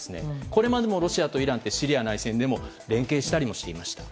これまでもロシアとイランってシリア内戦でも連携したりしていました。